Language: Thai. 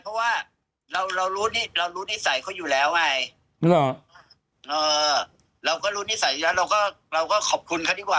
เพราะว่าเรารู้นิสัยเขาอยู่แล้วไงเราก็รู้นิสัยเราก็ขอบคุณเขาดีกว่า